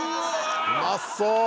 うまそう！